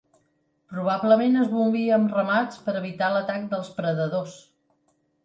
Probablement es movia en ramats per evitar l'atac dels predadors.